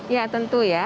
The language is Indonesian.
ya tentu ya